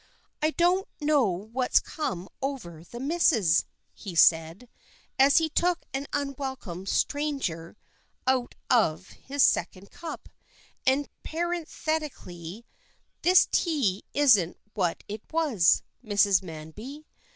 "I don't know what's come over the Missus," he said, as he took an unwelcome "stranger" out of his second cup, and parenthetically, "This tea isn't what it was, Mrs. Manby.